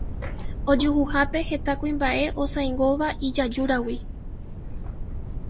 Ojuhuhápe heta kuimba'e osãingóva ijajúrigui.